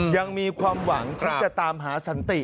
ยังมีความหวังที่จะตามหาสันติ